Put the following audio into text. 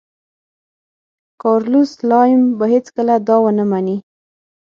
کارلوس سلایم به هېڅکله دا ونه مني.